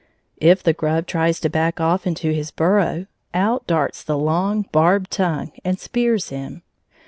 If the grub tries to back off into his burrow, out darts the long, barbed tongue and spears him.